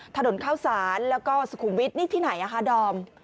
ถนนข้าวสารแล้วก็สุขุมวิทย์นี่ที่ไหนคะดอม